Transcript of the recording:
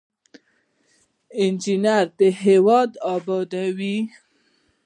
انجینر هیواد ابادوي